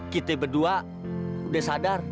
kami berdua sudah sadar